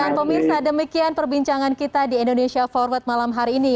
jangan pemirsa demikian perbincangan kita di indonesia forward malam hari ini